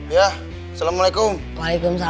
wah ada meja kiana